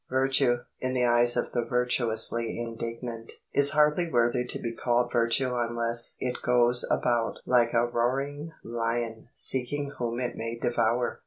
Virtue, in the eyes of the virtuously indignant, is hardly worthy to be called virtue unless it goes about like a roaring lion seeking whom it may devour.